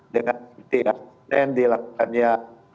dengan kepentingan dilakukannya